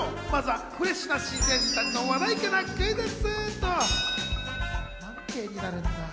まずはフレッシュな新成人たちの話題からクイズッス！